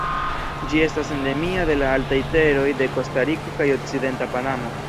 Ĝi estas endemia de la altaj teroj de Kostariko kaj okcidenta Panamo.